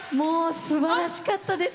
すばらしかったです